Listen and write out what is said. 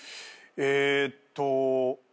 えーっと。